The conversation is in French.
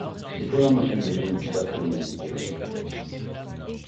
Les premières machines de jet ne sont pas très bien équilibrées.